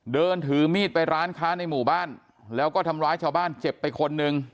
เดินถือมีดไปร้านค้าในหมู่บ้านแล้วก็ทำร้ายชาวบ้านเจ็บไปคนหนึ่ง